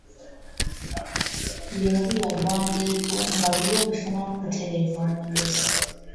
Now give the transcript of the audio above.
Bino biba biwandiiko nga byo obifunamu butereevu amagezi